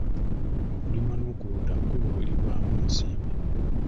Okulima n'okulunda kkubo erivaamu ensimbi.